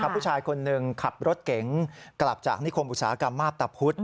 ผู้ชายคนหนึ่งขับรถเก๋งกลับจากนิคมอุตสาหกรรมมาพตะพุธ